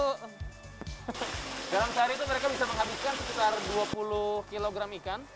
dalam sehari itu mereka bisa menghabiskan sekitar dua puluh kg ikan